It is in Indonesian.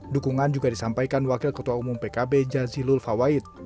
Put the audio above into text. dukungan juga disampaikan wakil ketua umum pkb jazilul fawait